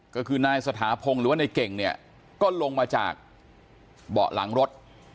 ก็คือนายสถาพงศ์หรือว่าในเก่งเนี่ยก็ลงมาจากเบาะหลังรถ